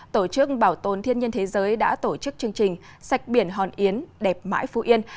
tổ chức bảo tồn thiên nhiên thế giới đã tổ chức chương trình sạch biển hòn yến đẹp mãi phú yên